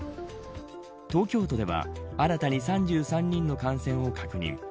東京都では新たに３３人の感染を確認。